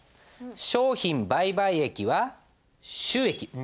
商品売買益は収益。